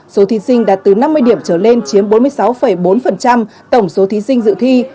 số thí sinh đạt từ năm mươi điểm trở lên chiếm bốn mươi sáu bốn tổng số thí sinh dự thi